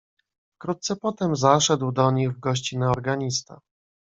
"Wkrótce potem zaszedł do nich w gościnę organista."